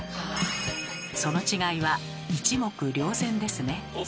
その違いは一目瞭然ですね。